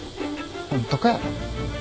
ホントかよ。